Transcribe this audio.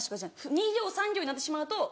２行３行になってしまうと。